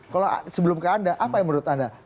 kalau sebelum ke anda apa yang menurut anda